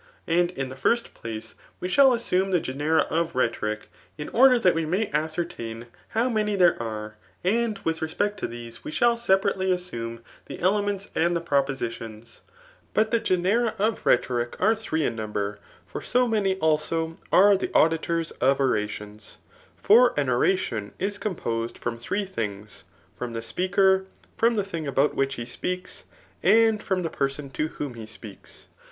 ' And in the first place we shall assume the genera df rhetoric, in order that we may ascertain how many there are, and with respect to these we shall separately assuQ^ ib^'demencs and the propositions. But the geoemoC rhetoriq are three in nuol^er ; ixx.w masay, alsi« ase th» AruU VOL. I. B 18 TH& ART OF BOOK !• auditors of orations^. For an oratioa is coQ]|>osed froiv three things, from the speabnr, from the thing stout vhich bespeaks, and from the person to whom he speaks.